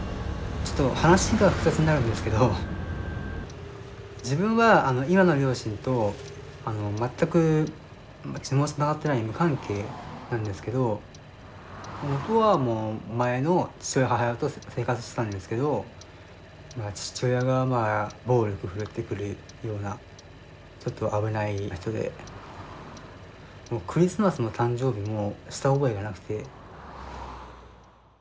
ちょっと話が複雑になるんですけど自分は今の両親と全く血もつながってない無関係なんですけどもとは前の父親母親と生活してたんですけど父親が暴力振るってくるようなちょっと危ない人でもうクリスマスも誕生日もした覚えがなくて。